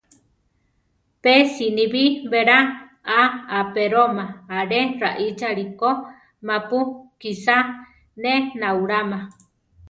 Pe sinibí belá a apéroma alé raʼíchali ko ma-pu kisá ne náulama.